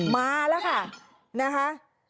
มาแล้วค่ะ